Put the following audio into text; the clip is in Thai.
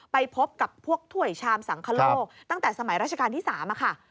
ไปพบกับพวกถ้วยชามสังคโลกตั้งแต่สมัยราชการที่๓ค่ะ